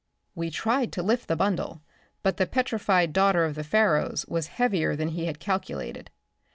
We tried to lift the bundle, but the petrified daughter of the Pharaohs was heavier than he had calculated.